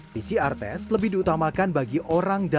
pcr tes lebih diutamakan bagi orang dalam